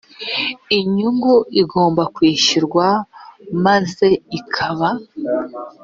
inyungu igomba kwishyurwa maze ikaba